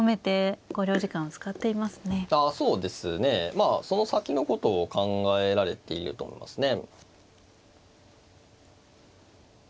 まあその先のことを考えられていると思いますね。